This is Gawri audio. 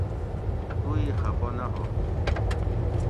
تُو ای خفہ نہ ہو